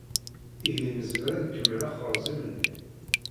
Ihi nezmer ad nkemmel axerzim-nni.